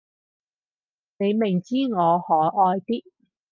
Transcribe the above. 你明知我可愛啲